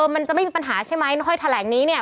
มันจะไม่มีปัญหาใช่ไหมห้อยแถลงนี้เนี่ย